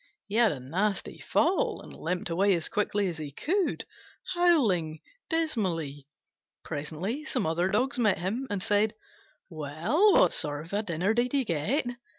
He had a nasty fall, and limped away as quickly as he could, howling dismally. Presently some other dogs met him, and said, "Well, what sort of a dinner did you get?"